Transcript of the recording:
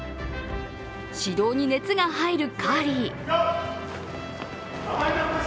指導に熱が入るカーリー。